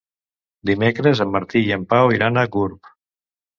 Dimecres en Martí i en Pau iran a Gurb.